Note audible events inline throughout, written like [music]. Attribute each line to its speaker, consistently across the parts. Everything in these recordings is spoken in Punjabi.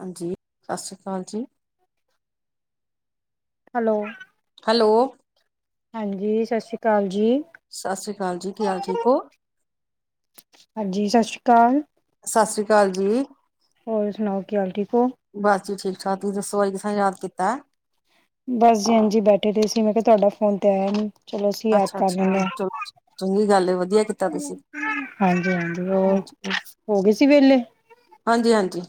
Speaker 1: ਹਾਂਜੀ, ਸਸ ਸ੍ਰੀ ਅਕਾਲ ਜੀ।
Speaker 2: ਹੈਲੋ।
Speaker 1: ਹੈਲੋ।
Speaker 2: ਹਾਂਜੀ, ਸਤਿ ਸ਼੍ਰੀ ਅਕਾਲ ਜੀ।
Speaker 1: ਸਸ ਸ੍ਰੀ ਅਕਾਲ ਜੀ, ਕੀ ਹਾਲ, ਠੀਕ ਓ?
Speaker 2: ਹਾਂਜੀ ਸਤਿ ਸ਼੍ਰੀ ਅਕਾਲ
Speaker 1: ਸਸ ਸ੍ਰੀ ਅਕਾਲ ਜੀ।
Speaker 2: ਹੋਰ ਸੁਨਾਓ, ਕੀ ਹਾਲ ਠੀਕ ਓ?
Speaker 1: ਬਸ ਜੀ ਠੀਕ-ਠਾਕ, ਤੁਸੀ ਦੱਸੋ, ਅੱਜ ਕਿਸ ਰਾਂ ਯਾਦ ਕੀਤੈ?
Speaker 2: ਬਸ ਜੀ ਐਂਜੀ ਬੈਠੇ ਦੇ ਸੀ, ਮੈਂ ਕਿਹਾ ਤੁਹਾਡਾ ਫੋਨ ਤੇ ਆਇਆ ਨੀ। ਚਲੋ ਅਸੀਂ ਯਾਦ
Speaker 1: ਅੱਛਾ
Speaker 2: ਕਰ
Speaker 1: ਅੱਛਾ
Speaker 2: ਲੈਂਨੇ ਆ,
Speaker 1: ਚਲੋ ਚੰਗੀ ਗੱਲ ਹੈ, ਵਧੀਆ ਕੀਤਾ ਤੁਸੀਂ
Speaker 2: ਹਾਂਜੀ-ਹਾਂਜੀ, ਹੋਰ
Speaker 1: ਹਾਂਜੀ
Speaker 2: ਹੋ ਗਏ ਸੀ ਵਿਹਲੇ।
Speaker 1: ਹਾਂਜੀ, ਹਾਂਜੀ।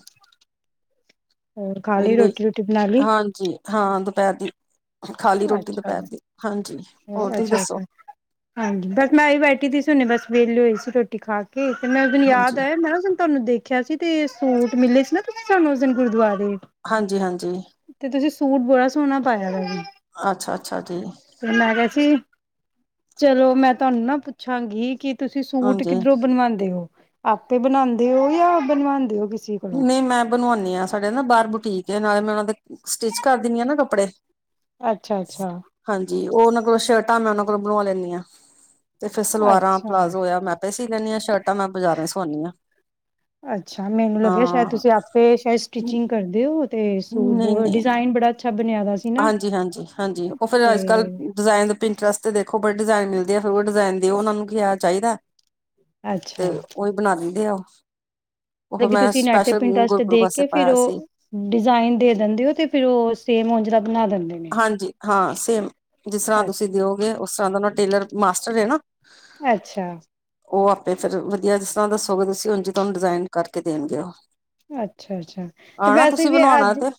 Speaker 2: ਹੋਰ ਖਾ ਲਈ
Speaker 1: ਵਿਹਲੀ
Speaker 2: ਰੋਟੀ ਰੂਟੀ ਬਣਾ ਲਈ
Speaker 1: ਹਾਂਜੀ। ਹਾਂ ਦੁਪਹਿਰ ਦੀ ਖਾ ਲੀ ਰੋਟੀ
Speaker 2: ਅੱਛਾ
Speaker 1: ਦੁਪਹਿਰ ਦੀ ਹਾਂਜੀ ਔਰ ਤੁਸੀਂ
Speaker 2: ਅੱਛਾ
Speaker 1: ਦੱਸੋ।
Speaker 2: ਅੱਛਾ ਬਸ ਮੈਂ ਵੀ ਬੈਠੀ ਸੀ ਹੁਨੇ ਬਸ ਵੇਹਲੀ ਹੋਈ ਸੀ ਰੋਟੀ ਖਾ ਕੇ। ਏ ਮੈਂ ਦਿਨ ਯਾਦ
Speaker 1: ਹਾਂਜੀ
Speaker 2: ਆਇਆ ਨਾ ਮੈਂ ਤੁਹਾਨੂੰ ਦੇਖੇ। ਖੇਆ ਸੀ ਤੇ ਸੂਟ ਮਿਲੇ ਸੀ ਨਾ ਤੁਸੀਂ ਸਾਨੂੰ ਉਸ ਦਿਨ ਗੁਰਦੁਆਰੇ।
Speaker 1: ਹਾਂਜੀ, ਹਾਂਜੀ।
Speaker 2: ਤੇ ਤੁਸੀਂ ਸੂਟ ਬੜਾ ਸੋਹਨਾ ਪਾਇਆ ਦਾ ਸੀ।
Speaker 1: ਅੱਛਾ, ਅੱਛਾ ਜੀ
Speaker 2: ਮੈਂ ਕਿਹਾ ਜੀ ਚਲੋ ਮੈਂ ਤੁਹਾਨੂੰ ਨਾ ਪੁੱਛਾਂਗੀ ਕਿ ਤੁਸੀਂ ਸੂਟ
Speaker 1: ਹਾਂਜੀ
Speaker 2: ਕਿੱਧਰੋਂ ਬਨਵਾਂਦੇ ਹੋ ਆਪੇ ਬਨਾਦੇ ਔ ਜਾਂ ਬਨਵਾਂਦੇ ਹੋ ਕਿਸੇ ਕੋਲੋਂ?
Speaker 1: ਨਹੀਂ ਮੈਂ ਬਨਵਾਂਦੀ ਹਾਂ ਸਾਡੇ ਨਾ ਬਾਹਰ ਬੁਟੀਕ ਐ ਨਾਲੇ ਮੈਂ ਔਨਾਂ ਦੇ ਸਟਿਚ ਕਰ ਦਿੰਦੀ ਆਂ ਨਾ ਕੱਪੜੇ।
Speaker 2: ਅੱਛਾ, ਅੱਛਾ।
Speaker 1: ਹਾਂਜੀ ਔਹ ਔਨਾਂ ਕੋਲੋਂ ਸ਼ਰਟਾਂ ਮੈਂ ਔਨਾਂ ਕੋਲੋਂ ਬਨਵਾ ਲੈਂਨੀ ਆਂ। ਤੇ ਫੇਰ ਸਲਵਾਰਾਂ
Speaker 2: ਅੱਛਾ
Speaker 1: ਪਲਾਜ਼ੋ ਹੋਇਆ ਮੈਂ ਆਪੇ ਸੀ ਲੈਂਦੀ ਆਂ ਸ਼ਰਟਾਂ ਮੈਂ ਬਾਜ਼ਾਰੋਂ ਸਿਵਾਆਂਦੀ ਆਂ।
Speaker 2: ਅੱਛਾ ਮੈਨੂੰ ਲੱਗਿਆ ਸ਼ਾਇਦ ਤੁਸੀਂ ਆਪੇ ਸ਼ਾਇਦ ਸਟਿਚਿੰਗ ਕਰਦੇ ਔ। ਤੇ ਸੂਟ
Speaker 1: ਨਹੀਂ
Speaker 2: ਬੋਹਤ
Speaker 1: ਨਹੀਂ
Speaker 2: ਡਿਜਾਇਨ ਬੜਾ ਅੱਛਾ ਬਨਿਆ ਦਾ ਸੀ। ਨਾ
Speaker 1: ਹਾਂਜੀ, ਹਾਂਜੀ, ਹਾਂਜੀ ਔਹ ਫੇਰ
Speaker 2: ਤੇ
Speaker 1: ਅੱਜ ਕੱਲ। ਡਿਜ਼ਾਇਨ ਦੇ ਪਿੰਟਰਸਟ ਦੇਖੋ ਬੜੀ ਡਿਜ਼ਾਇਨ ਮਿਲਦੀ ਆ ਫੇਰ ਔਹ ਡਿਜ਼ਾਇਨ ਦੇ ਔਹ ਔਨਾ ਨੂੰ ਕਿ ਐ ਚਾਹੀਦਾ। ਤੇ
Speaker 2: ਅੱਛਾ
Speaker 1: ਔਹੀ ਬਨਾ ਦਿੰਦੇ ਆ ਉਹ ਫਿਰ
Speaker 2: ਮਤਲਬ ਕਿ
Speaker 1: ਮੈਂ
Speaker 2: ਤੁਸੀਂ ਨੈਟ ਤੇ
Speaker 1: ਸਪੈਸ਼ਲ
Speaker 2: ਇੰਟਰਸਟ
Speaker 1: ਗੁਰਪੁਰ
Speaker 2: ਦੇਖ
Speaker 1: ਵਾਸਤੇ
Speaker 2: ਕੇ ਫਿਰ
Speaker 1: ਪਾਇਆ ਸੀ
Speaker 2: ਉਹ ਡਿਜ਼ਾਇਨ ਦੇ ਦਿੰਦੇ ਹੋ ਤੇ ਫਿਰ ਉਹ ਸੇਮ ਉਂਹੋਜਲਾ ਬਣਾ ਦਿੰਦੇ ਹੋ
Speaker 1: ਹਾਂਜੀ ਹਾਂ ਸੇਮ ਜਿਸ ਤਰ੍ਹਾਂ ਤੁਸੀਂ ਦਿਓਗੇ ਉਸ ਤਰ੍ਹਾਂ ਦਾ ਉਹ ਦਾ ਟੇਲਰ ਮਾਸਟਰ ਏ ਨਾ
Speaker 2: ਅੱਛਾ
Speaker 1: ਉਹ ਆਪੇ ਫਿਰ ਵਧੀਆ ਜਿਸ ਤਰ੍ਹਾਂ ਦੱਸੋਗੇ ਤੁਸੀਂ ਉਂਜ ਤੁਹਾਨੂੰ ਡਿਜ਼ਾਇਨ ਕਰਕੇ ਦੇਣਗੇ ਉਹ
Speaker 2: ਅੱਛਾ ਅੱਛਾ ਤੇ
Speaker 1: ਆਣਾ
Speaker 2: ਵੈਸੇ
Speaker 1: ਤੁਸੀਂ
Speaker 2: ਵੀ
Speaker 1: ਬਣਵਾਉਣਾ
Speaker 2: ਅੱਜ
Speaker 1: ਤੇ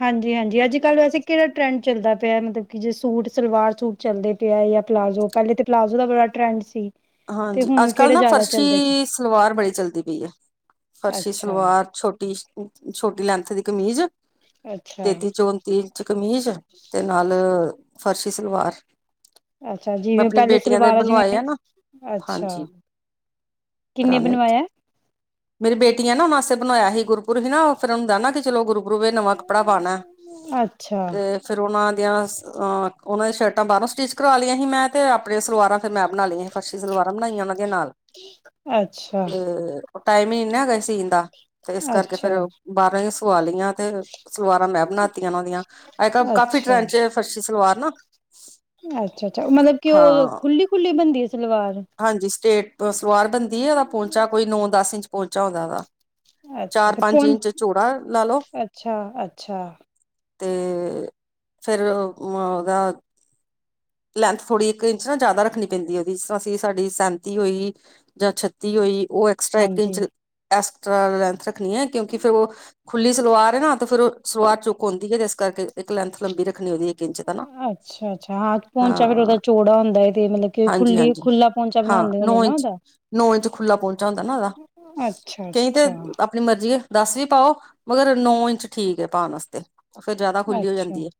Speaker 2: ਹਾਂਜੀ ਹਾਂਜੀ ਅੱਜ ਕੱਲ੍ਹ ਵੈਸੇ ਕਿਹੜਾ ਟਰੈਂਡ ਚੱਲਦਾ ਪਿਆ ਮਤਲਬ ਕਿ ਜੇ ਸੂਟ ਸਲਵਾਰ ਸੂਟ ਚੱਲਦੇ ਪਏ ਆ ਪਲਾਜ਼ੋ ਪਹਿਲੇ ਤਾਂ ਪਲਾਜ਼ੋ ਦਾ ਬੜਾ ਟਰੈਂਡ ਸੀ ਤੇ
Speaker 1: ਹਾਂਜੀ
Speaker 2: ਹੁਣ
Speaker 1: ਅੱਜ ਕੱਲ੍ਹ
Speaker 2: ਕਿਹੜੇ
Speaker 1: ਨਾ
Speaker 2: ਜ਼ਿਆਦਾ ਚੱਲਦੇ ਪਏ
Speaker 1: ਫਰਸ਼ੀ ਸਲਵਾਰ ਬੜੀ ਚੱਲਦੀ ਪਈ ਹੈ ਫਰਸ਼ੀ
Speaker 2: ਅੱਛਾ,
Speaker 1: ਸਲਵਾਰ ਛੋਟੀ ਛੋਟੀ ਲੈਂਥ ਦੀ ਕਮੀਜ਼
Speaker 2: ਅੱਛਾ,
Speaker 1: ਤੇਤੀ ਚੋ ਤੀਲ ਚ ਕਮੀਜ਼ ਤੇ ਨਾਲ ਫਰਸ਼ੀ ਸਲਵਾਰ
Speaker 2: ਅੱਛਾ
Speaker 1: ਮੈਂ
Speaker 2: ਜਿਵੇਂ
Speaker 1: ਆਪਣੀ
Speaker 2: ਪਹਿਲੇ
Speaker 1: ਬੇਟੀਆਂ ਦੇ
Speaker 2: ਸਲਵਾਰਾਂ ਜਿਵੇਂ
Speaker 1: ਬਣਵਾਏ ਆ ਨਾ
Speaker 2: ਅੱਛਾ
Speaker 1: ਹਾਂਜੀ
Speaker 2: ਕਿੰਨੇ
Speaker 1: ਪੁਰਾਣੇ
Speaker 2: ਬਣਵਾਇਆ
Speaker 1: ਮੇਰੀ ਬੇਟੀਆਂ ਨਾ ਉਹਨਾਂ ਵਾਸਤੇ ਬਣਾਇਆ ਸੀ ਗੁਰਪੁਰਬ ਹੀ ਨਾ ਫਿਰ ਉਹਨੂੰ ਦੇਦਾ ਕਿ ਚਲੋ ਗੁਰੂ ਗੁਰੂਵੇ ਨਵਾਂ ਕੱਪੜਾ ਪਾਉਣਾ
Speaker 2: ਅੱਛਾ,
Speaker 1: ਤੇ ਫਿਰ ਉਹਨਾਂ ਦੀਆਂ ਉਹਨਾਂ ਦੀਆਂ ਸ਼ਰਟਾਂ ਬਾਹਰੋਂ ਸਟਿਚ ਕਰਵਾ ਲਈਆਂ ਸੀ ਮੈਂ ਅਤੇ ਆਪਣੀਆਂ ਸਲਵਾਰਾਂ ਫਿਰ ਮੈਂ ਬਣਾ ਲਈਆਂ ਸੀ ਫਰਸ਼ੀ ਸਲਵਾਰਾਂ ਬਣਾਈਆਂ ਉਹਨਾਂ ਦੀਆਂ ਨਾਲ
Speaker 2: ਅੱਛਾ,
Speaker 1: ਤੇ ਉਹ ਟਾਈਮ ਹੀ ਨੀ ਨਾ ਹੈਗਾ ਸੀਣ ਦਾ ਤੇ ਇਸ ਕਰਕੇ ਫੇਰ
Speaker 2: ਅੱਛਾ,
Speaker 1: ਬਾਹਰੋਂ ਦੀ ਸੁਆ ਲਈਆਂ ਤੇ ਸਲਵਾਰਾਂ ਮੈਂ ਬਣਾਤੀਆਂ ਉਨਾਂ ਦੀਆਂ ਅੱਜ ਕੱਲ੍ਹ ਕਾਫੀ
Speaker 2: ਅੱਛਾ,
Speaker 1: ਟਰੈਂਡ ਚ ਆ ਫਰਸ਼ੀ ਸਲਵਾਰ ਨਾ
Speaker 2: ਅੱਛਾ ਅੱਛਾ ਮਤਲਬ ਕਿ ਉਹ
Speaker 1: ਹਾਂ
Speaker 2: ਖੁੱਲੀ ਖੁੱਲੀ ਬਣਦੀ ਐ ਸਲਵਾਰ
Speaker 1: ਹਾਂਜੀ ਸਟੇਟ ਸਲਵਾਰ ਬਣਦੀ ਆ ਉਹਦਾ ਪਹੁੰਚਾ ਕੋਈ ਨੌ ਦਸ ਇੰਚ ਪਹੁੰਚਾ ਹੁੰਦਾ ਉਹਦਾ
Speaker 2: ਅੱਛਾ
Speaker 1: ਚਾਰ
Speaker 2: ਤੇ ਪੋਂ
Speaker 1: ਪੰਜ ਇੰਚ ਚੂੜਾ ਲਾ ਲਓ
Speaker 2: ਅੱਛਾ, ਅੱਛਾ
Speaker 1: ਤੇ ਫੇਰ ਉਹਦਾ ਲੈਂਥ ਥੋੜ੍ਹੀ ਇੱਕ ਇੰਚ ਨਾ ਜ਼ਿਆਦਾ ਰੱਖਣੀ ਪੈਂਦੀ ਉਹਦੀ ਜਿਸ ਤਰ੍ਹਾਂ ਅਸੀਂ ਸਾਡੀ ਸੈਂਤੀ ਹੋਈ ਜਾਂ ਛੱਤੀ ਹੋਈ ਉ ਏ ਇੱਕ ਇੰਚ
Speaker 2: ਹਾਂਜੀ
Speaker 1: ਐਕਸਟਰਾ ਲੈਂਥ ਰੱਖਨੀ ਏ, ਕਿਉਕਿ ਫੇਰ ਉ ਖੁੱਲੀ ਸਲਵਾਰ ਏ ਨਾ ਤਾਂ ਫੇਰ ਉ ਸਲਵਾਰ ਚੁੱਕ ਆਂਦੀ ਏ, ਇਸ ਕਰਕੇ ਇੱਕ ਲੈਂਥ ਲੰਬੀ ਰੱਖਨੀ ਹੁੰਦੀ ਇੱਕ ਇੰਚ ਤਾ ਨਾ।
Speaker 2: ਅੱਛਾ-ਅੱਛਾ ਹਾਂ ਪੋਂਚਾ ਫੇਰ
Speaker 1: ਹਾਂ
Speaker 2: ਉਦਾ ਚੋੜਾ ਹੁੰਦਾ ਏ ਤੇ ਮਲਬ ਕਿ
Speaker 1: ਹਾਂਜੀ
Speaker 2: ਖੁੱਲੀ
Speaker 1: ਹਾਂਜੀ
Speaker 2: ਖੁੱਲਾ ਪੋੰਚਾ
Speaker 1: ਹਾਂ
Speaker 2: ਬਨਾਦੇ ਹੋਨੇ
Speaker 1: ਨੌ
Speaker 2: ਨਾ
Speaker 1: ਇੰਚ
Speaker 2: ਉਦਾ।
Speaker 1: ਨੌ ਇੰਚ ਖੁੱਲਾ ਪੋੰਚਾ ਹੁੰਦਾ ਨਾ ਉਦਾ। ਕਈ ਤੇ
Speaker 2: ਅੱਛਾ-ਅੱਛਾ,
Speaker 1: ਅਪਨੀ ਮਰਜ਼ੀ ਏ ਦਸ ਵੀ ਪਾਓ, ਮਗਰ ਨੌ ਇੰਚ ਠੀਕ ਏ ਪਾਨ ਵਸਤੇ ਫੇਰ ਜਾਦਾ ਖੁੱਲੀ ਹੋ ਜਾਂਦੀ ਏ।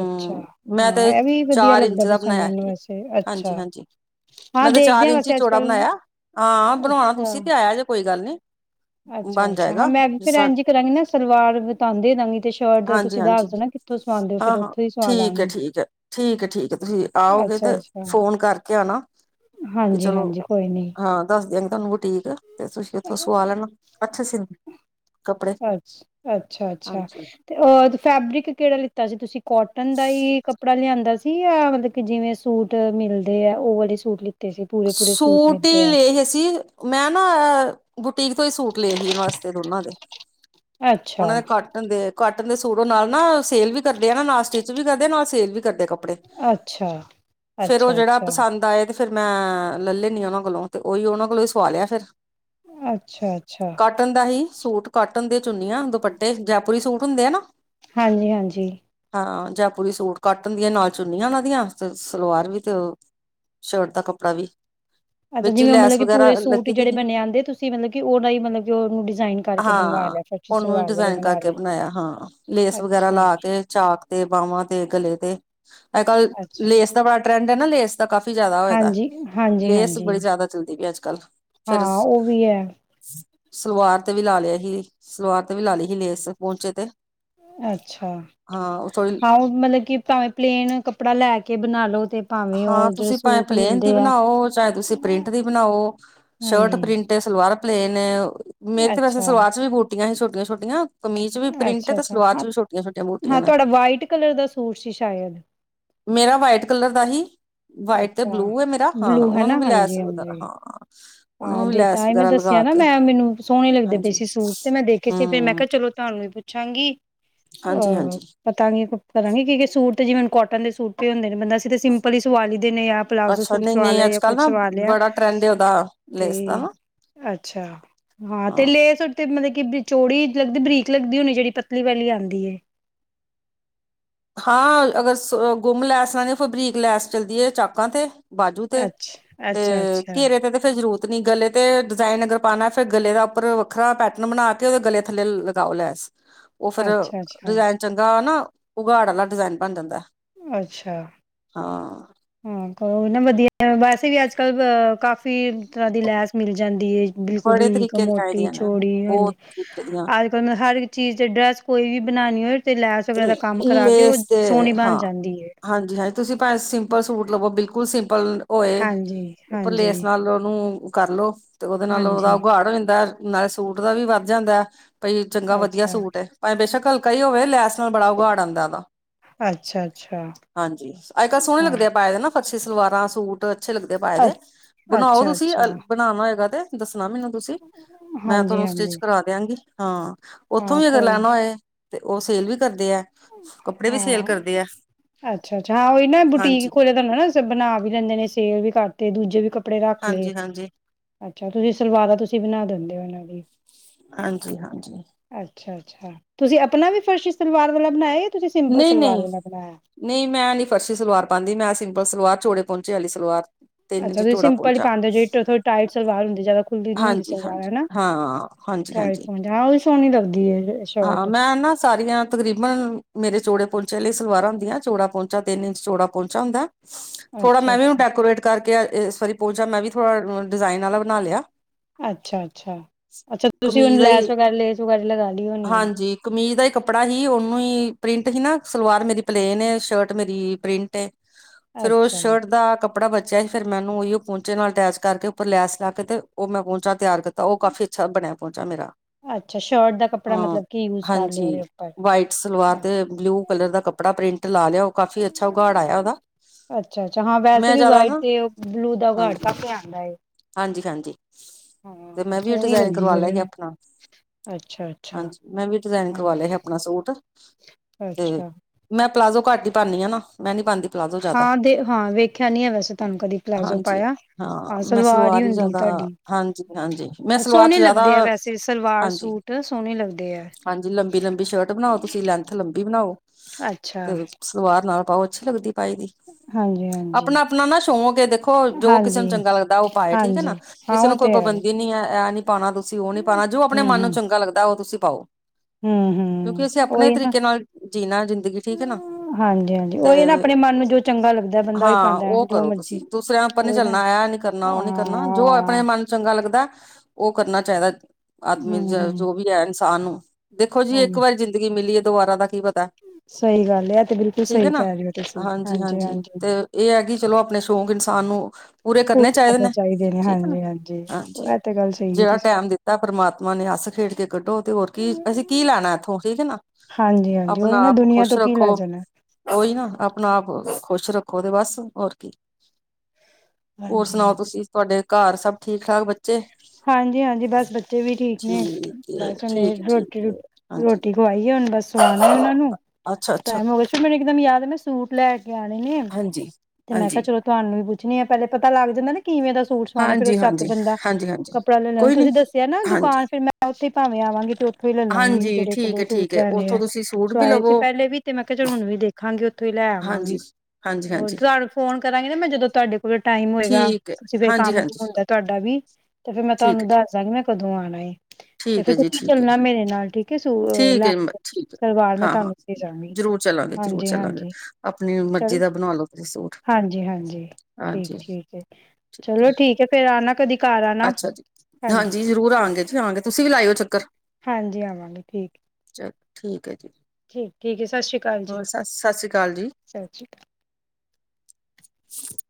Speaker 2: ਅੱਛਾ, ਹਾਂ ਐ ਵੀ ਵਧੀਆ
Speaker 1: ਚਾਰ
Speaker 2: ਲੱਗਦਾ
Speaker 1: ਇੰਚ
Speaker 2: ਪਿਆ
Speaker 1: ਦਾ ਬਨਾਇਆ
Speaker 2: ਸੁਣਨ ਨੂੰ
Speaker 1: ਸੀ।
Speaker 2: ਵੈਸੇ ਅੱਛਾ
Speaker 1: ਹਾਂਜੀ-ਹਾਂਜੀ
Speaker 2: ਹਾਂ
Speaker 1: ਮੈਂ ਤੇ ਚਾਰ
Speaker 2: ਦੇਖਦੇ ਆ
Speaker 1: ਇੰਚ ਹੀ
Speaker 2: ਵੈਸੇ
Speaker 1: ਚੌੜਾ
Speaker 2: ਅੱਜ-ਕੱਲ
Speaker 1: ਬਨਾਇਆ, ਹਾਂ ਬਣਵਾਨਾ
Speaker 2: ਅੱਛਾ,
Speaker 1: ਤੁਸੀਂ ਤੇ ਆਇਆ ਜੇ ਕੋਈ ਗੱਲ ਨੀ। ਬਣ
Speaker 2: ਅੱਛਾ-ਅੱਛਾ ਹਾਂ
Speaker 1: ਜਾਏਗਾ
Speaker 2: ਮੈਂ ਵੀ
Speaker 1: ਜਿਸ
Speaker 2: ਫੇਰ
Speaker 1: ਤਰ੍ਹਾਂ
Speaker 2: ਐਂਝ ਈ ਕਰਾਂਗੀ ਨਾ ਸਲਵਾਰ ਤੁਆਨੂ ਦੇ ਦਾਂਗੀ ਤੇ ਸ਼ਰਟ ਦਾ
Speaker 1: ਹਾਂਜੀ
Speaker 2: ਤੁਸੀਂ
Speaker 1: ਹਾਂਜੀ
Speaker 2: ਦੱਸ ਦੇਨਾ ਕਿਥੋ ਸਵਾਨਦੇ ੳ
Speaker 1: ਹਾਂ
Speaker 2: ਫੇਰ
Speaker 1: ਹਾਂ
Speaker 2: ੳਥੋ ਈ ਸਵਾ
Speaker 1: ਠੀਕ ਹੈ
Speaker 2: ਲਾਂਗੀ।
Speaker 1: ਠੀਕ ਹੈ ਠੀਕ ਏ ਠੀਕ ਏ, ਤੁਸੀਂ ਆਓਗੇ ਤੇ
Speaker 2: ਅੱਛਾ-ਅੱਛਾ,
Speaker 1: ਫੋਨ ਕਰਕੇ ਆਨਾ।
Speaker 2: ਹਾਂਜੀ-ਹਾਂਜੀ ਕੋਈ ਨੀ।
Speaker 1: ਦੱਸ ਦਿਆਂਗੀ ਤੁਆਨੂੰ ਵੁਟੀਕ, ਤੇ ਤੁਸੀਂ ਉੱਥੋਂ ਸਵਾ ਲੈਨਾ ਅੱਛਾ ਸੀ
Speaker 2: ਅੱਛ, ਅੱਛਾ-ਅੱਛਾ
Speaker 1: ਹਾਂਜੀ
Speaker 2: ਤੇ ਅ ਫੈਬਰਿਕ ਕੇੜਾ ਲਿੱਤਾ ਸੀ, ਤੁਸੀਂ ਕੋਟਨ ਦਾ ਈ ਕੱਪੜਾ ਲਿਆਂਦਾ ਸੀ ਜਾਂ ਮਤਲਬ ਕਿ ਜਿਵੇਂ ਸੂਟ ਮਿਲਦੇ ਐ ਉ ਵਾਲੇ ਸੂਟ ਲਿ
Speaker 1: ਸੂਟ ਈ ਲਏ ਸੀ ਅਸੀ ਮੈਂ ਨਾ ਬੁਟੀਕ ਤੋਂ ਈ ਸੂਟ ਲਏ ਸੀ ਉਨਾਂ ਵਾਸਤੇ ਦੋਨਾਂ ਦੇ।
Speaker 2: ਅੱਛਾ-ਅੱਛਾ,
Speaker 1: ਉਨਾਂ ਨੇ ਕੋਟਨ ਦੇ ਕੋਟਨ ਦੇ ਸੂਟੋ ਨਾਲ ਨਾ ਸੇਲ ਵੀ ਕਰਦੇ ਆ ਨਾ ਨਾਲ ਸਟਿਚ ਵੀ ਕਰਦੇ ਨਾਲ ਸੇਲ ਵੀ ਕਰਦੇ ਕਪ ਪੜੇ ਫੇਰ ਉ
Speaker 2: ਅੱਛਾ-ਅੱਛਾ,
Speaker 1: ਜੇੜਾ ਪਸੰਦ ਆਏ ਤੇ ਫੇਰ ਮੈਂ ਲਲਨੀ ਆਂ ਉਨਾਂ ਕੋਲੋਂ ਤੇ ਉਹੀ ਉਨਾਂ ਕੋਲੋਂ ਈ ਸਵਾ ਲਿਆ ਫੇਰ।
Speaker 2: ਅੱਛਾ-ਅੱਛਾ
Speaker 1: ਕੋਟਨ ਦਾ ਈ, ਸੂਟ ਕੋਟਨ ਦੇ ਚੁੰਨੀਆਂ ਦੁਪੱਟੇ ਜੈਪੁਰੀ ਸੂਟ ਹੁੰਦੇ ਆ ਨਾ
Speaker 2: ਹਾਂਜੀ-ਹਾਂਜੀ
Speaker 1: ਹਾਂ, ਜੈਪੂਰੀ ਸੂਟ ਕੋਟਨ ਦੀਆਂ ਨਾਲ ਚੁਨੀਆਂ ਓਨਾਂ ਦੀਆਂ ਤੇ ਸਲਵਾਰ ਵੀ ਤੇ ਓਹ ਸ਼ਰਟ ਦਾ ਕੱਪੜਾ ਵੀ।
Speaker 2: ਅੱਛਾ,
Speaker 1: ਵਿੱਚ ਹੀ
Speaker 2: ਜਿਵੇਂ ਓ ਮਤਲਬ
Speaker 1: ਲੈਸ
Speaker 2: ਕਿ
Speaker 1: ਵਗੈਰਾ
Speaker 2: ਪੂਰੇ ਸੂਟ
Speaker 1: ਲੱਗੀ ਦੀ
Speaker 2: ਜੇੜੇ
Speaker 1: ਸੀ
Speaker 2: ਬਨੇ ਆਂਦੇ ਤੁਸੀਂ ਮਤਲਬ ਕਿ ਓਦਾ ਈ ਮਤਲਬ ਕਿ ਓਨੂੰ ਡਿਜ਼ਾਇਨ ਕਾਰਕੇ ਬਨਵਾ ਲਿਆ ਫੇਰ।
Speaker 1: ਓਨੂੰ ਈ ਡਿਜ਼ਾਇਨ ਕਰਕੇ ਬਨਾਇਆ ਹਾਂ। ਲੇਸ ਵਗੈਰਾ ਲਾ
Speaker 2: ਅੱਛਾ-ਅੱਛਾ,
Speaker 1: ਕੇ ਚਾਕ ਤੇ ਬਾਵਾਂ ਤੇ ਗਲੇ ਤੇ, ਅੱਜ ਕੱਲ ਲੇ ਸ ਦਾ ਬੜਾ ਟਰੈਂਡ ਏ ਨਾ ਲੇਸ ਦਾ ਕਾਫੀ ਜਾਦਾ ਹੋਆ ਦਾ, ਲੇਸ
Speaker 2: ਹਾਂਜੀ-ਹਾਂਜੀ-ਹਾਂਜੀ
Speaker 1: ਬੜੀ ਜਾਦਾ ਚੱਲਦੀ ਪਈ ਅੱਜ-ਕੱਲ
Speaker 2: ਹਾਂ
Speaker 1: ਫੇਰ
Speaker 2: ਉਹ ਵੀ ਹੈ
Speaker 1: ਸਲਵਾਰ ਤੇ ਵੀ ਲਾ ਲਿਆ ਹੀ, ਸਲਵਾਰ ਤੇ ਵੀ ਲਾ ਲੀ ਹੀ ਲੇਸ ਪੋੰਚੇ ਤੇ।
Speaker 2: ਅੱਛਾ,
Speaker 1: ਹਾਂ ਉਹ ਥੋੜੀ
Speaker 2: ਹਾਂ ਉ ਮਤਲਬ ਕਿ ਭਾਵੇਂ ਪਲੇਨ ਕੱਪੜਾ ਲੈ ਕੇ ਬਨਾਲੋ ਤੇ ਭਾਵੇਂ
Speaker 1: ਹਾਂ,
Speaker 2: ਉਹ ਜਿਹੜੇ
Speaker 1: ਤੁਸੀਂ ਭਾਏ
Speaker 2: ਸੂਟ
Speaker 1: ਪਲੇਨ ਦੀ
Speaker 2: ਮਿਲਦੇ ਆ
Speaker 1: ਬਨਾਓ, ਚਾਹੇ ਤੁਸੀਂ ਪ੍ਰਿੰਟ ਦੀ ਬਨਾਓ, ਸ਼ਰਟ
Speaker 2: ਹਾਂਜੀ
Speaker 1: ਪ੍ਰਿੰਟ ਏ ਸਲਵਾਰ ਪਲੇਨ ਏ, ਮੇਰੇ ਤੇ ਵੈਸੇ
Speaker 2: ਅੱਛਾ
Speaker 1: ਸਲਵਾਰ ਚ ਵੀ ਬੂਟੀਆਂ ਸੀ ਛੋਟੀਆਂ-ਛੋਟੀਆਂ। ਕਮੀਜ਼ ਵੀ ਪ੍ਰਿੰਟ ਏ
Speaker 2: ਅੱਛਾ
Speaker 1: ਤੇ
Speaker 2: ਅੱਛਾ
Speaker 1: ਸਲਵਾਰ ਚ
Speaker 2: ਹਾਂ
Speaker 1: ਵੀ ਛੋਟੀਆਂ-ਛੋਟੀਆਂ ਬੂਟੀਆਂ
Speaker 2: ਹਾਂ
Speaker 1: ਨੇ।
Speaker 2: ਤੁਹਾਡਾ ਵਾਈਟ ਕਲਰ ਦਾ ਸੂਟ ਸੀ ਸ਼ਾਇਦ
Speaker 1: ਮੇਰਾ ਵਾਈਟ ਕਲਰ ਦਾ ਹੀ। ਵਾਈਟ ਤੇ
Speaker 2: ਅੱਛਾ
Speaker 1: ਬਲੂ ਏ ਮੇਰਾ ਹਾਂ
Speaker 2: ਬਲੂ
Speaker 1: ਓਨਾਂ ਨੂੰ ਵੀ ਲੈਸ ਵਦੈ ਹਾਂ। ਉਹਨਾਂ
Speaker 2: ਆਹੋ
Speaker 1: ਨੂੰ ਵੀ
Speaker 2: ਦੇ
Speaker 1: ਲੈਸ
Speaker 2: ਤਾਂਹੀ ਮੈਂ
Speaker 1: ਵਗੈਰਾ ਲਗਾ
Speaker 2: ਦੱਸਿਆ ਨਾ
Speaker 1: ਕੇ
Speaker 2: ਮੈਂ ਮੈਨੂੰ ਸੋਨੇ ਲੱਗਦੇ ਪਏ
Speaker 1: ਹਾਂਜੀ
Speaker 2: ਸੀ ਸੂਟ ਤੇ ਮੈਂ ਦੇਖੇ ਸੀ ਫੇਰ ਮੈਂ
Speaker 1: ਹਮ
Speaker 2: ਕੈ ਚਲੋ ਤੁਆਨੂੰ ਈ ਪੁੱਛਾਂਗੀ।
Speaker 1: ਹਾਂਜੀ
Speaker 2: ਹੋਰ
Speaker 1: ਹਾਂਜੀ
Speaker 2: ਪਤਾਂ ਵੀ ਕੁ ਕਰਾਂਗੀ ਕਿ ਸੂਟ ਤੇ ਜਿਵੇਂ ਹੁਨ ਕੋਟਨ ਦੇ ਸੁਟ ਪਏ ਹੁੰਦੇ ਨੇ ਬੰਦਾ ਕਿਤੇ ਸਿੰਪਲ ਈ ਸਵਾ ਲਈਦੇ ਨੇ ਯਾ ਪਲਾਜ਼ੋ ਸੂਟ ਸਵਾ ਲਿਆ ਯਾ ਕੁਛ ਸਵਾ ਲਿਆ।
Speaker 1: ਪੰਦੇ ਦਾ
Speaker 2: ਤੇ
Speaker 1: ਨਾ
Speaker 2: ਅੱਛਾ, ਹਾਂ ਤੇ ਲੇਸ ਤੇ ਮਤਲਬ ਕਿ ਬੀ ਚੌੜੀ ਲੱਗਦੀ ਬਰੀਕ ਲੱਗਦੀ ਹੋਣੀ ਜੇੜੀ ਪਤਲੀ ਵਾਲੀ ਆੰਦੀ ਏ।
Speaker 1: ਹਾਂ, ਅਗਰ ਸ ਗੁੰਮ ਲੈਸਾਂ ਨੇ ਫਿਰ ਬਰੀਕ ਲੈਸ ਚੱਲਦੀ ਏ ਚਾਕਾਂ ਤੇ। ਬਾਜੂ ਤੇ,
Speaker 2: ਅੱਛਾ
Speaker 1: ਤੇ
Speaker 2: ਅੱਛਾ ਅੱਛਾ
Speaker 1: ਘੇਰੇ ਤੇ ਤੇ ਫਿਰ ਜ਼ਰੂਰ ਨੀ ਗਲੇ ਤੇ ਡਿਜ਼ਾਇਨ ਅਗਰ ਪਾਣੈ ਫਿਰ ਗਲੇ ਦਾ ਉਪਰ ਵੱਖਰਾ ਪੈਟਰਨ ਬਣਾ ਕੇ ਓਦੇ ਗਲੇ ਥੱਲੇ ਲਗਾਓ ਲੈਸ। ਓਹ ਫੇਰ
Speaker 2: ਅੱਛਾ ਅੱਛਾ
Speaker 1: ਡਿਜਾਇਨ ਚੰਗਾ ਨਾ ਉਗਾੜ ਆਲਾ ਡਿਜਾਇਨ ਬਣ ਜਾਂਦੈ।
Speaker 2: ਅੱਛਾ।
Speaker 1: ਹਾਂ।
Speaker 2: ਹਾਂ ਤੇ ਓਹੀ ਨਾ ਵਧੀਐ ਵੈਸੇ ਵੀ ਅੱਜ-ਕਲ ਵ ਕਾਫੀ ਤਰ੍ਹਾਂ ਦੀ ਲੈਸ ਮਿਲ ਜਾਂਦੀ ਏ। ਬਿਲਕੁਲ
Speaker 1: ਬੜੇ
Speaker 2: ਬਰੀਕ,
Speaker 1: ਤਰੀਕੇ ਦੀਆਂ ਆਈਆਂ
Speaker 2: ਮੋਟੀ,
Speaker 1: ਦੀਆਂ ਨੇ
Speaker 2: ਚੋੜੀ ਹਾਂਜੀ।
Speaker 1: ਬਹੁਤ ਤਰੀਕੇ ਦੀਆਂ
Speaker 2: ਅੱਜ ਤਾਨੁ ਹਰ ਇੱਕ ਚੀਜ਼ ਤੇ ਡਰੈੱਸ ਕੋਈ ਵੀ ਬਣਾਣੀ ਹੋਏ ਤੇ ਲੈਸ ਵਗੈਰਾ ਦਾ ਕੰਮ ਕਰਾ ਕੇ ਓਹ ਸੋਣੀ ਬਣ ਜਾਂਦੀ ਏ।
Speaker 1: ਹਾਂਜੀ-ਹਾਂਜੀ, ਤੁਸੀਂ ਭਾਏ ਸਿੰਪਲ ਸੂਟ ਲਵੋ, ਬਿਲਕੁਲ ਸਿੰਪਲ ਔਏ
Speaker 2: ਹਾਂਜੀ
Speaker 1: ਉੱਪਰ ਲੇਸ
Speaker 2: ਹਾਂਜੀ
Speaker 1: ਨਾਲ ਓਨੂੰ ਕਰਲੋ ਤੇ ਓਦੇ ਨਾਲ ਓਦਾ
Speaker 2: ਹਾਂਜੀ
Speaker 1: ਉਘਾੜ ਹੋ ਜਾਂਦੈ। ਨਾਲੇ ਸੂਟ ਦਾ ਵੀ ਵੱਧ ਜਾਂਦੈ, ਬਈ ਚੰਗਾ ਵਧੀਆ
Speaker 2: ਅੱਛਾ
Speaker 1: ਸੂਟ ਏ। ਭਾਏ, ਬੇਸ਼ੱਕ ਹਲਕਾ ਹੀ ਹੋਵੇ ਲੈਸ ਨਾਲ ਬੜਾ ਉਘਾੜ ਆਂਦੈ ਓਦਾ।
Speaker 2: ਅੱਛਾ, ਅੱਛ
Speaker 1: ਹਾਂਜੀ, ਅੱਜ-ਕੱਲ੍ਹ ਸੋਣੇ ਲੱਗਦੇ ਐ ਪਾਏ ਦੇ ਨਾ ਫਰਸ਼ੀ ਸਲਵਾਰਾਂ ਸੂਟ ਅੱਛੇ ਲੱਗਦੇ ਐ ਪਾਏ ਦੇ। ਬਣਾਵਾਓ
Speaker 2: ਅੱਛਾ
Speaker 1: ਤੁਸੀਂ ਅ
Speaker 2: ਅੱਛਾ
Speaker 1: ਬਣਾਣਾ ਹੈਏਗਾ ਤੇ। ਦੱਸਣਾ ਮੈਨੂੰ ਤੁਸੀਂ ਮੈਂ
Speaker 2: ਹਾਂਜੀ
Speaker 1: ਤੁਹੈਨੂੰ ਸਟਿਚ
Speaker 2: ਹਾਂਜੀ
Speaker 1: ਕਰਾ ਦੇਆਂਗੀ ਹਾਂ। ਓਥੋਂ
Speaker 2: ਹਾਂ
Speaker 1: ਵੀ ਅਗਰ
Speaker 2: ਕੋਈ
Speaker 1: ਲੈਣਾ ਹੋਏ ਤੇ ਓਹ ਸੇਲ ਵੀ ਕਰਦੇ ਐ।
Speaker 2: ਹਾਂ, ਅੱਛਾ-ਅੱਛਾ ਹਾਂ ਓਹੀ ਨਾ
Speaker 1: ਹਾਂਜੀ,
Speaker 2: ਬੁਟੀਕ ਖੋਲੇਆ ਦਾ ਹੂੰਦੈ ਨਾ ਤੇ ਬਣਾ ਵੀ ਲੈਂਦੇ ਨੇ, ਸੇਲ ਵੀ ਕਰਤੇ, ਦੂਜੇ ਵੀ ਕੱਪੜੇ ਰੱਖ ਲੇ।
Speaker 1: ਹਾਂਜੀ, ਹਾਂਜੀ,
Speaker 2: ਅੱਛਾ, ਤੁਸੀਂ ਸਲਵਾਰਾਂ ਤੁਸੀਂ ਬਣਾ ਦਿੰਦੇ ਹੋ ਇਨਾਂ ਦੀ।
Speaker 1: ਹਾਂਜੀ, ਹਾਂਜੀ।
Speaker 2: ਅੱਛਾ ਅੱਛਾ, ਤੁਸੀਂ ਅਪਣਾ ਵੀ ਫਰਸੀ਼ ਸਲਵਾਰ ਵਾਲਾ ਬਣਾਇਐ ਯਾ ਤੁਸੀਂ ਸਿੰਪਲ
Speaker 1: ਨਹੀਂ,
Speaker 2: ਸਲਵਾਰ
Speaker 1: ਨਹੀਂ,
Speaker 2: ਵਾਲਾ ਬਣਾਐ?
Speaker 1: ਨਹੀਂ ਮੈਂ ਨੀ ਫਰਸ਼ੀ ਸਲਵਾਰ ਪਾੰਦੀ ਮੈਂ ਸਿੰਪਲ ਸਲਵਾਰ ਚੋੜੇ ਪੋੰਚੇ ਆਲੀ ਸਲਵਾਰ। ਤਿੰਨ
Speaker 2: ਅੱਛਾ,
Speaker 1: ਚ
Speaker 2: ਤੁਸੀਂ
Speaker 1: ਚੋੜਾ
Speaker 2: ਸਿੰਪਲ ਹੀ
Speaker 1: ਪਹੁੰਚਾ
Speaker 2: ਪਾੰਦੇ ਜੇੜੀ ਟਥ ਟਾਈਟ ਸਲਵਾਰ ਹੁੰਦੀ ਜੈਦਾ ਖੁੱਲ੍ਹੀ ਨੀ ਹੂੰਦੀ
Speaker 1: ਹਾਂਜੀ,
Speaker 2: ਸਲਵਾਰ
Speaker 1: ਹਾਂਜੀ,
Speaker 2: ਹੈਨਾ।
Speaker 1: ਹਾਂ, ਹਾਂਜੀ,
Speaker 2: ਟ੍ਰਾਈ
Speaker 1: ਹਾਂਜੀ।
Speaker 2: ਪੋਚਾ ਆ ਉਹ ਵੀ ਸੋਹਣੀ ਲੱਗਦੀ ਏ।
Speaker 1: ਹਾਂ, ਮੈਂ ਨਾ ਸਾਰੀਆਂ ਤਕਰੀਬਨ ਮੇਰੇ ਚੌੜੇ ਪੌੰਚੇ ਅਲੀ ਸਲਵਾਰਾਂ ਹੁੰਦੀਐਂ ਚੌੜਾ ਪੋੰਚਾ ਤਿੰਨ ਇੰਚ ਚੌੜਾ ਪੋੰਚਾ ਹੁੰਦਾ। ਥੋੜਾ
Speaker 2: ਅੱਛਾ
Speaker 1: ਮੈਂ ਵੀ ਹੁਣ
Speaker 2: ਅੱਛਾ
Speaker 1: ਡੈਕੋਰੇਟ ਕਰਕੇ ਇਸ ਵਾਰੀ ਪੋੰਚਾ ਮੈਂ ਵੀ ਥੋੜ੍ਹਾ ਡਿਜ਼ਾਇਨ ਆਲਾ ਬਣਾ ਲਿਆ।
Speaker 2: ਅੱਛਾ-ਅੱਛਾ, ਅੱਛਾ ਤੁਸੀਂ ਹੁਣ
Speaker 1: ਕਮੀਜ਼ ਦਾ ਹੀ
Speaker 2: ਲੈਸ ਵਗੈਰਾ ਲੇਸ ਵਗੈਰਾ ਲਗਾ ਲਈ ਹੋਣੀ ਹੈ
Speaker 1: ਹਾਂਜੀ। ਕਮੀਜ਼ ਦਾ ਹੀ ਕੱਪੜਾ ਹੀ, ਉਹਨੂੰ ਹੀ ਪ੍ਰਿੰਟ ਹੀ ਨਾ, ਸਲਵਾਰ ਮੇਰੀ ਪਲੇਨ ਏ, ਸ਼ਰਟ ਮੇਰੀ ਪ੍ਰਿੰਟ ਏ। ਫਿਰ ਉਸ ਸ਼ਰਟ
Speaker 2: ਅੱਛਾ
Speaker 1: ਦਾ ਕੱਪ ਕੱਪੜਾ ਬਚਿਆ ਹੀ, ਫਿਰ ''ਮੈ ਓਹਨੂੰ ਓਹੀ ਓ ਪੋਂਚੇ ਨਾਲ ਅਟੈਚ ਕਰਕੇ, ਉੱਪਰ ਲੈਸ ਲਾਕੇ ਤੇ ਉਹ ਮੈਂ ਪੋਂਚਾ ਤਿਆਰ ਤਾ ਉਹ ਕਾਫੀ ਅੱਛਾ ਬਣਿਆ ਪੌਂਚਾ ਮੇਰਾ।
Speaker 2: ਅੱਛਾ, ਸ਼ਰਟ ਦਾ ਕੱਪ
Speaker 1: ਹਾਂ, ਹਾਂਜੀ। ਵਾਈਟ ਸਲਵਾਰ ਤੇ,
Speaker 2: ਅੱਛਾ
Speaker 1: ਬਲਊ ਕਲਰ ਦਾ ਕੱਪੜਾ ਪ੍ਰਿੰਟ ਲਾ ਲਿਆ ਕਾਫੀ ਅੱਛਾ, ਉਗ੍ਹਾੜ ਆਇਆ ਉਹਦਾ।
Speaker 2: ਅੱਛਾ-ਅੱਛਾ, ਹਾਂ ਵੈਸੇ
Speaker 1: ਮੈਂ
Speaker 2: ਵੀ
Speaker 1: ਜ਼ਿਆਦਾ
Speaker 2: ਵਾਇਟ
Speaker 1: ਨਾ
Speaker 2: ਤੇ ਬ੍ਲੂ ਦਾ ਉਘਾੜ ਕਾਫ਼ੀ ਆਂਦਾ ਏ।
Speaker 1: ਹਾਂਜੀ-ਹਾਂਜੀ, ਤੇ
Speaker 2: ਹਾਂ
Speaker 1: ਮੈਂ ਵੀ ਇਹ
Speaker 2: ਸੋਹਣੀ
Speaker 1: ਡਿਜ਼ਾਇਨ
Speaker 2: ਲੱਗਦੀ
Speaker 1: ਕਰਵਾ ਲਿਆ
Speaker 2: ਉਹਦੇ
Speaker 1: ਹੀ
Speaker 2: ਨਾਲ
Speaker 1: ਆਪਣਾ।
Speaker 2: ਅੱਛਾ। ਅੱਛਾ
Speaker 1: ਹਾਂਜੀ, 'ਮੈਂ' ਵੀ ਡਿਜ਼ਾਇਨ
Speaker 2: ਹਾਂ
Speaker 1: ਕਰਵਾ ਲਿਆ ਹੀ ਆਪਣਾ ਸੂਟ, ਤੇ
Speaker 2: ਅੱਛਾ
Speaker 1: ਮੈਂ ਪਲਾਜੋ ਘੱਟ ਈ ਪਾਨੀ ਆਂ ਨਾ। ਮੈਂ'ਨੀ ਪਾਂਦੀ ਪਲਾਜੋ।
Speaker 2: ਹਾਂ ਦੇ ਹਾਂ ਵੇਖਿਆ ਨੀ ਐ ਵੈਸੇ ਤਾਨੂੰ ਕਦੀ ਪਲਾਜੋ
Speaker 1: ਹਾਂਜੀ।
Speaker 2: ਪਾਇਆ। ਹਾਂ
Speaker 1: ਮੈਂ
Speaker 2: ਸਲਵਾਰ ਈ
Speaker 1: ਹੀ
Speaker 2: ਹੁੰਦੀ ਏ
Speaker 1: ਜ਼ਿਆਦਾ
Speaker 2: ਤਾਡੀ,
Speaker 1: ਹਾਂਜੀ-ਹਾਂਜੀ, ਮੈਂ ਸਲਵਾਰ ਚ
Speaker 2: ਸੋਣੀ
Speaker 1: ਜ਼ਿਆਦਾ
Speaker 2: ਲੱਗਦੀ ਆ ਵੈਸੇ ਸਲਵਾਰ-ਸੂਟ। ਟ ਸੋਣੇ ਲੱਗਦੇ ਐ।
Speaker 1: ਹਾਂਜੀ ਲੰਬੀ-ਲੰਬੀ ਸ਼ਰਟ ਬਨਾਓ ਤੁਸੀ, ਲੈਂਥ ਲੰਬੀ ਬਨਾਓ
Speaker 2: ਅੱਛਾ
Speaker 1: ਤੇ ਸਲਵਾਰ ਨਾਲ ਪਾਓ ਅੱਛੀ ਲੱਗਦੀ ਪਾਈ ਦੀ।
Speaker 2: ਹਾਂਜੀ ਹਾਂਜੀ
Speaker 1: ਅਪਨਾ-ਅਪਨਾ ਨਾ ਸ਼ੌਕ ਏ ਦੇਖੋ, ਜੋ ਕਿਸੇ
Speaker 2: ਹਾਂਜੀ
Speaker 1: ਨੂੰ ਚੰਗਾ ਲੱਗਦਾ ਔ ਪਾਏ ਠੀਕ ਏਨਾ।
Speaker 2: ਹਾਂਜੀ ਹਾਂ
Speaker 1: ਕਿਸੇ
Speaker 2: ਉਹ
Speaker 1: ਨੂੰ ਕੋਈ
Speaker 2: ਤੇ ਹੈ
Speaker 1: ਪਾਬੰਦੀ ਨੀ ਐ, ਐ ਨੀ ਪਾਨਾ ਤੁਸੀਂ ਔ ਨੀ
Speaker 2: ਹੂੰ
Speaker 1: ਪਾਨਾ ਜੋ ਆਪਨੇ
Speaker 2: ਹੂੰ
Speaker 1: ਮਨ ਨੂੰ ਚੰਗਾ ਲੱਗਦਾ ਔ ਤੁਸੀ ਪਾਓ।
Speaker 2: ਹੂੰ
Speaker 1: ਕਿਉਂਕਿ ਅਸੀਂ
Speaker 2: ਹੂੰ
Speaker 1: ਆਪਨੇ
Speaker 2: ਉਹੀ ਨਾ
Speaker 1: ਤਰੀਕੇ ਨਾਲ ਜੀਨਾ ਜ਼ਿੰਦਗੀ ਠੀਕ ਏ ਨਾ।
Speaker 2: ਹਾਂਜੀ ਹਾਂਜੀ
Speaker 1: ਤੇ,
Speaker 2: ਉਹੀ ਨਾ ਆਪਣੇ ਮਨ ਨੂੰ ਜੋ ਚੰਗਾ ਲੱਗਦਾ ਬੰਦਾ ਉਹੀ
Speaker 1: ਹਾਂ
Speaker 2: ਪਾਉਂਦਾ
Speaker 1: ਔ
Speaker 2: ਜੋ
Speaker 1: ਕਰੋ ਤੁਸੀ
Speaker 2: ਮਰਜੀ
Speaker 1: ਦੂਸਰਿਆਂ ਉੱਪਰ ਨੀ
Speaker 2: ਉਹੀ ਨਾ
Speaker 1: ਚੱਲਨਾ ਐ ਨੀ ਕਰਨਾ ਔ ਨੀ
Speaker 2: ਹਾਂ
Speaker 1: ਕਰਨਾ ਜੋ ਆਪਣੇ ਮਨ ਚੰਗਾ ਲੱਗਦਾ ਔ ਕਰਨਾ ਚਾਈਦਾ। ਆਦਮੀ
Speaker 2: ਹਮ
Speaker 1: ਜ
Speaker 2: ਹਮ
Speaker 1: ਜੋ ਵੀ ਐ ਇਨਸਾਨ ਨੂੰ। ਦੇਖੋ ਜੀ
Speaker 2: ਹਾਂ
Speaker 1: ਏਕ ਵਾਰੀ ਜ਼ਿੰਦਗੀ ਮਿਲੀ ਏ, ਦੁਬਾਰਾ ਤਾ ਦਾ,
Speaker 2: ਸਹੀ ਗੱਲ ਹੈ ਤੇ ਬਿਲਕੁਲ
Speaker 1: ਠੀਕ
Speaker 2: ਸਹੀ
Speaker 1: ਏ ਨਾ,
Speaker 2: ਕਹਿ ਰਹੇ ਹੋ ਤੁਸੀਂ ਹਾਂਜੀ
Speaker 1: ਹਾਂਜੀ-ਹਾਂਜੀ
Speaker 2: ਹਾਂਜੀ
Speaker 1: ਤੇ ਏ ਐ ਕਿ ਚਲੋ, ਆਪਣੇ ਸ਼ੌਕ ਇਨਸਾਨ ਨੂੰ ਪੂਰੇ ਕਰਨੇ ਚਾਈਦੇ ਨੇ
Speaker 2: ਚਾਹੀਦੇ ਨੇ
Speaker 1: ਠੀਕ ਏ ਨਾ,
Speaker 2: ਹਾਂਜੀ ਹਾਂਜੀ
Speaker 1: ਹਾਂਜੀ
Speaker 2: ਇਹ ਤੇ ਗੱਲ ਸਹੀ ਹੈ
Speaker 1: ਜੇੜਾ
Speaker 2: ਤੁਸੀਂ
Speaker 1: ਟੈਮ ਦਿੱ ਤਾ ਪਰਮਾਤਮਾ ਨੇ ਹੱਸ-ਖੇਡਕੇ ਕੱਢੋ ਤੇ ਹੋਰ ਕੀ, ਅਸੀਂ ਕੀ ਲੈਨਾ ਇੱਥੋਂ ਠੀਕ ਏ ਨਾ
Speaker 2: ਹਾਂਜੀ ਹਾਂਜੀ ਉਹੀ ਨਾ
Speaker 1: ਅਪਨਾ-ਆਪ
Speaker 2: ਦੁਨੀਆਂ
Speaker 1: ਖੁਸ਼
Speaker 2: ਤੋਂ ਕੀ ਲੈ
Speaker 1: ਰੱਖੋ।
Speaker 2: ਜਾਣਾ
Speaker 1: ਓਈ ਨਾ, ਅਪਨਾ-ਆਪ ਖੁਸ਼ ਰੱਖੋ ਤੇ ਬਸ ਹੋਰ ਕੀ। ਹੋਰ
Speaker 2: ਹਾਂਜੀ
Speaker 1: ਸੁਨਾਓ ਤੁਸੀ, ਤੁਆਡੇ ਘਾਰ ਸਭ ਠੀਕ-ਠਾਕ ਬੱ?
Speaker 2: ਹਾਂਜੀ-ਹਾਂਜੀ ਬਸ ਬੱਚੇ ਵੀ ਠੀਕ ਨੇ,
Speaker 1: ਏ
Speaker 2: ਬਸ ਹੁਨੇ
Speaker 1: ਠੀਕ ਏ, ਠੀਕ ਏ ਹਾਂਜੀ
Speaker 2: ਰੋਟੀ-ਰੋਟੀ ਖੁਵਾਈਏ ਹੁਨ ਬਸ ਸਵਾਨਾ ਏ ਉਨਾ ਨੂੰ
Speaker 1: ਅੱਛਾ ਅੱਛਾ
Speaker 2: ਟਾਈਮ ਹੋਗਿਆ ਸੀ, ਮੈਨੂੰ ਇੱਕਦਮ ਯਾਦ ਮੈਂ ਸੂਟ ਲੈਕੇ ਆਣੇ ਨੇ।
Speaker 1: ਹਾਂਜੀ
Speaker 2: ਤੇ ਮੈਂ ਕਿਆ
Speaker 1: ਹਾਂਜੀ
Speaker 2: ਚਲੋ ਤੁਆਨੂੰ ਈ ਪੁੱਛਨੀ ਆ ਪੇਲੇ ਪਤਾ ਲੱਗ ਜਾਂਦਾ ਨਾ ਕਿਂਵੇਂ ਦਾ ਸੂਟ ਸਵਾਨਾ ਫੇਰ ਉਸ
Speaker 1: ਹਾਂਜੀ
Speaker 2: ਹਿਸਾਬ ਤੇ
Speaker 1: ਹਾਂਜੀ
Speaker 2: ਬੰਦਾ
Speaker 1: ਹਾਂਜੀ ਹਾਂਜੀ
Speaker 2: ਕੱਪੜਾ ਲੈ ਲੇਂ,
Speaker 1: ਕੋਈ ਨੀ
Speaker 2: ਤੁਸੀਂ ਦੱਸਿਆ ਨਾ
Speaker 1: ਹਾਂਜੀ
Speaker 2: ਦੁਕਾਨ ਫੇਰ ਮੈ ਉੱਥੇ ਈ ਭਾਵੇਂ ਆਵਾਂਗੀ ਤੇ ਥੋਂ ਹੀ ਲੈੱਲਾਂਗੀ,
Speaker 1: ਹਾਂਜੀ
Speaker 2: ਜੇੜੇ
Speaker 1: ਠੀਕ
Speaker 2: ਇੱਕ-ਦੋ
Speaker 1: ਹੈ ਠੀਕ
Speaker 2: ਸੂਟ
Speaker 1: ਹੈ
Speaker 2: ਲੈਨੇ ਐ
Speaker 1: ਉੱਥੋਂ ਤੁਸੀਂ ਸੂਟ ਵੀ
Speaker 2: ਸਵਾਏ ਸੀ
Speaker 1: ਲਵੋ
Speaker 2: ਪੇਲੇ ਵੀ ਤੇ ''ਮੈਂ ਕਿਹਾ ਚਲ ਹੁਨ ਵੀ ਦੇਖ ਖਾਂਗੀ, ਉੱਥੋਂ ਈ ਲੈ ਆਵਾਂਗੀ
Speaker 1: ਹਾਂਜੀ ਹਾਂਜੀ ਹਾਂਜੀ
Speaker 2: [unintelligible] ਫੋਨ ਕਰਾਂਗੀ ਨਾ ਮੈਂ, ਜਦੋਂ ਤੁਆਡੇ ਕੋਲ ਟਾਈਮ ਹੋਏਗਾ,
Speaker 1: ਠੀਕ ਹੈ
Speaker 2: ਤੁਸੀਂ ਫੇਰ
Speaker 1: ਹਾਂਜੀ ਹਾਂਜੀ
Speaker 2: ਕੰਮ-ਕੁੰਮ ਹੁੰਦਾ ਤੁਆਡਾ ਵੀ। ਤੇ ਫੇਰ ਮੈਂ
Speaker 1: ਠੀਕ
Speaker 2: ਤੁਆਨੂੰ
Speaker 1: ਹੈ ਜੀ
Speaker 2: ਦੱਸ ਦਾਂਗੀ, ਮੈਂ ਕਦੋਂ ਆਣਾ ਏ। ਤੇ
Speaker 1: ਠੀਕ
Speaker 2: ਫੇਰ
Speaker 1: ਹੈ ਜੀ
Speaker 2: ਤੁਸੀਂ
Speaker 1: ਠੀਕ ਹੈ
Speaker 2: ਚੱਲਨਾ ਮੇਰੇ ਨਾਲ ਠੀਕ ਐ ਸੂ
Speaker 1: ਠੀਕ
Speaker 2: ਲੈ
Speaker 1: ਹੈ ਜੀ, ਠੀਕ ਹੈ
Speaker 2: ਸਲਵਾਰ ਮੈ
Speaker 1: ਹਾਂ ਹਾਂ
Speaker 2: ਤੁਆਨੂੰ
Speaker 1: ਜ਼ਰੂਰ ਚੱਲਾਂਗੇ ਜ਼ਰੂਰ ਚੱਲਾਂਗੇ
Speaker 2: ਹਾਂਜੀ-ਹਾਂਜੀ
Speaker 1: ਆਪਣੀ ਮਰਜ਼ੀ
Speaker 2: ਚੱਲ
Speaker 1: ਦਾ ਬਣਾ ਲਓ ਤੁਸੀਂ ਸੂਟ
Speaker 2: ਹਾਂਜੀ-ਹਾਂਜੀ।
Speaker 1: ਹਾਂਜੀ
Speaker 2: ਠੀਕ-ਠੀਕ ਏ, ਚਲੋ ਠੀਕ ਏ, ਫੇਰ ਆਨਾ ਕਦੀ। ਘਰ ਆਣਾ
Speaker 1: ਅੱਛਾ-ਛਾ ਹਾਂਜੀ
Speaker 2: ਠੀਕ
Speaker 1: ਜ਼ਰੂਰ
Speaker 2: ਠੀਕ
Speaker 1: ਆਂਗੇ ਜੀ ਆਵਾਂਗੇ ਤੁਸੀਂ ਵੀ ਲਾਇਓ ਚੱਕਰ।
Speaker 2: ਹਾਂਜੀ ਆਵਾਂਗੇ ਠੀਕ।
Speaker 1: ਚੱਲ, ਠੀਕ ਏ ਜੀ।
Speaker 2: ਠੀਕ, ਠੀਕ ਏ ਸਤਿ ਸ਼੍ਰੀ ਕਾਲ ਜੀ,
Speaker 1: ਹੋਰ ਸਤਿ ਸਤਿ ਸ਼੍ਰੀ ਅਕਾਲ ਜੀ।
Speaker 2: ਸਤਿ ਸ਼੍ਰੀ ਕਾਲ।
Speaker 1: [inaudible]